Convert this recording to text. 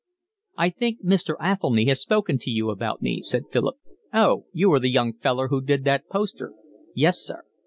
"I think Mr. Athelny has spoken to you about me," said Philip. "Oh, you are the young feller who did that poster?" "Yes, sir."